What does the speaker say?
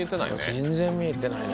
全然見えてないね